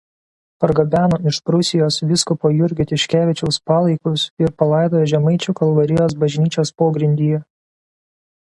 Pargabeno iš Prūsijos vyskupo Jurgio Tiškevičiaus palaikus ir palaidojo Žemaičių Kalvarijos bažnyčios pogrindyje.